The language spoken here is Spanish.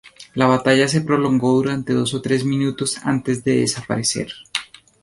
La batalla se prolongó durante dos o tres minutos antes de desaparecer.